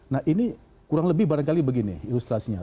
nah ini kurang lebih barangkali begini ilustrasinya